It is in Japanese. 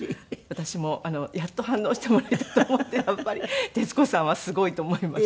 私もやっと反応してもらえたと思ってやっぱり徹子さんはすごいと思いました。